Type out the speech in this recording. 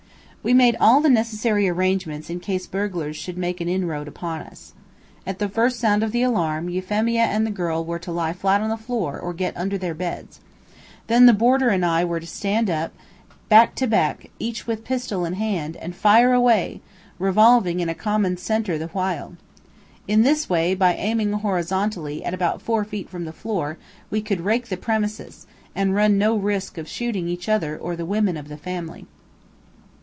We made all the necessary arrangements in case burglars should make an inroad upon us. At the first sound of the alarm, Euphemia and the girl were to lie flat on the floor or get under their beds. Then the boarder and I were to stand up, back to back, each with pistol in hand, and fire away, revolving on a common centre the while. In this way, by aiming horizontally at about four feet from the floor, we could rake the premises, and run no risk of shooting each other or the women of the family.